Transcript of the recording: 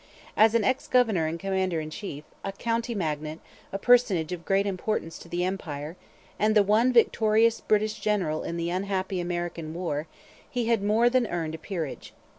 As an ex governor and commander in chief, a county magnate, a personage of great importance to the Empire, and the one victorious British general in the unhappy American war, he had more than earned a peerage.